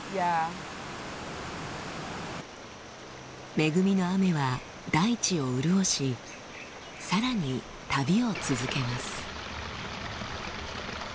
恵みの雨は大地を潤しさらに旅を続けます。